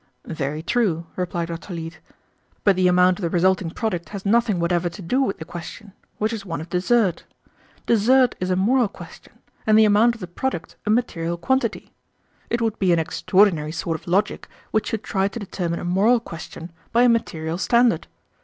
"Very true," replied Dr. Leete; "but the amount of the resulting product has nothing whatever to do with the question, which is one of desert. Desert is a moral question, and the amount of the product a material quantity. It would be an extraordinary sort of logic which should try to determine a moral question by a material standard.